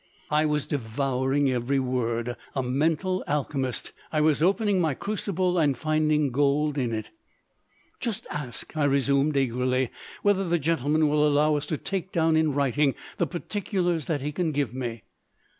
I was devouring every word; a mental alchemist, I was opening my crucible and finding gold in it. "Just ask," I resumed eagerly, "whether the gentleman will allow us to take down in writing the particulars that he can give me."